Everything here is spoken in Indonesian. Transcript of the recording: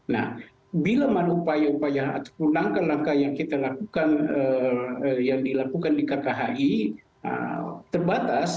nah bila mana upaya upaya ataupun langkah langkah yang kita lakukan yang dilakukan di kkhi terbatas